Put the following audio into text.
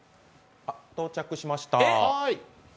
到着しました。